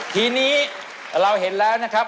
ทีนี้เราเห็นแล้วนะครับ